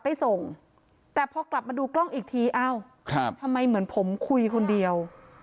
ไปส่งแต่พอกลับมาดูกล้องอีกทีอ้าวทำไมเหมือนผมคุยคนเดียว